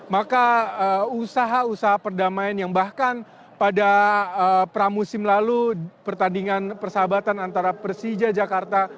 maka usaha usaha perdamaian yang bahkan pada pramusim lalu pertandingan persahabatan antara persija jakarta